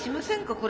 これ。